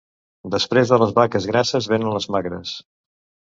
Després de les vaques grasses vénen les magres.